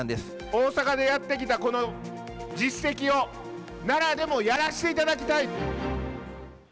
大阪でやってきたこの実績を、奈良でもやらしていただきたい。